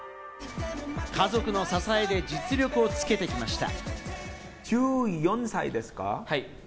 家族の支えで実力をつけてきました。